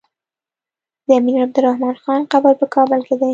د امير عبدالرحمن خان قبر په کابل کی دی